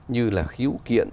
như là khí ụ kiện